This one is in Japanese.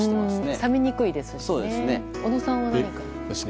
冷めにくいですしね。